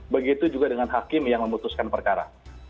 begitu juga dengan hakim yang memutuskan perkara